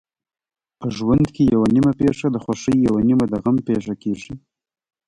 په ژوند کې یوه نیمه پېښه د خوښۍ یوه نیمه د غم پېښه کېږي.